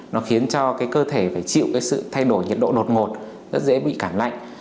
nó khiến cho cái cơ thể phải chịu cái sự thay đổi nhiệt độ đột ngột rất dễ bị cảm lạnh